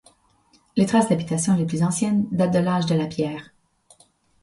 Les traces d'habitation les plus anciennes datent de l'âge de la pierre.